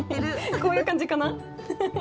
こういう感じかな？